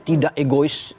tapi tidak egois